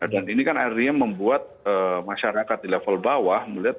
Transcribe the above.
dan ini kan akhirnya membuat masyarakat di level bawah melihat